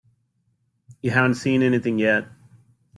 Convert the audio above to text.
You haven't seen anything yet.